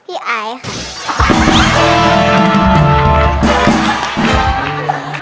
พี่ไอซ์